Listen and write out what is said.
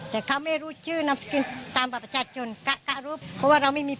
แต่เขาไม่รู้ชื่อนามสกุลตามบัตรประชาชนกะรูปเพราะว่าเราไม่มี